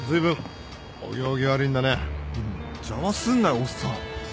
邪魔すんなよおっさん